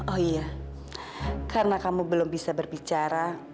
oh iya karena kamu belum bisa berbicara